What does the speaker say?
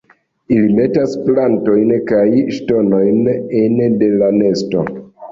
Ili metas plantojn kaj ŝtonojn ene de la nesto.